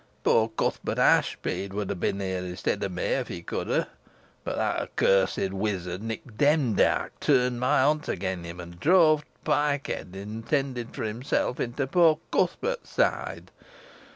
Poor Cuthbert Ashbead would ha' been here i'stead o' meh if he couldn; boh that accursed wizard, Nick Demdike, turned my hont agen him, an' drove t' poike head intended for himself into poor Cuthbert's side.